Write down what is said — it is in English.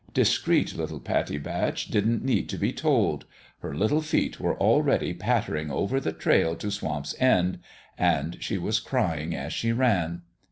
Discreet little Pattie Batch didn't need to be told ! Her little feet were already pattering over the trail to Swamp's End ; and she was crying as she ran.